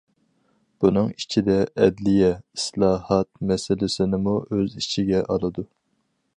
بۇنىڭ ئىچىدە ئەدلىيە ئىسلاھات مەسىلىسىنىمۇ ئۆز ئىچىگە ئالىدۇ.